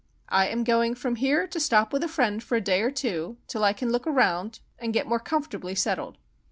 I am going from here to stop with a Friend for a day or two, till I can look around and get more comfortably settled."